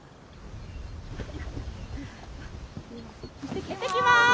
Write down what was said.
いってきます！